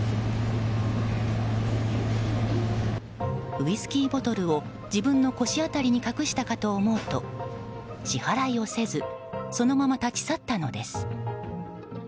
ウイスキーボトルを自分の腰辺りに隠したかと思うと支払いをせずそのまま立ち去ったのです。